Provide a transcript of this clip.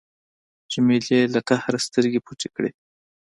جمیلې له قهره سترګې پټې کړې.